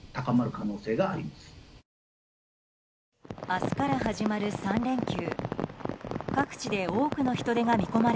明日から始まる３連休。